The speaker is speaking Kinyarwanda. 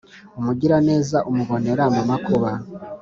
umugiraneza umubonera mu makuba